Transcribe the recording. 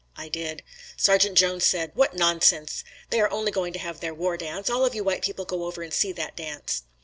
I did. Sergeant Jones said, "What nonsense! They are only going to have their war dance. All of you white people go over and see that dance."